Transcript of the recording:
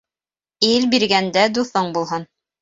Ил биргәндә дуҫың булһын